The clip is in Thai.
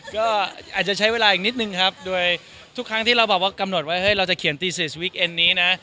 ก็อาจจะใช้เวลาอีกนิดนึงครับโดยทุกครั้งที่เราแบบว่ากำหนดว่าเราจะเขียนตี๔สวิกเอ็นนี้นะ